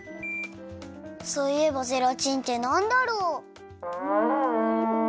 そういえばゼラチンってなんだろう？